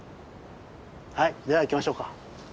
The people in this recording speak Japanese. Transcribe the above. はいでは行きましょうか。